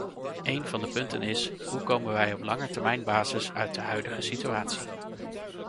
Een van de punten is: hoe komen wij op langetermijnbasis uit de huidige situatie?